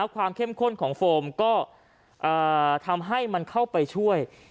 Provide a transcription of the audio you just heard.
ความเข้มข้นของโฟมก็ทำให้มันเข้าไปช่วย